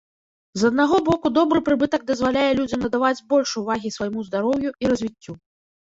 З аднаго боку, добры прыбытак дазваляе людзям надаваць больш увагі свайму здароўю і развіццю.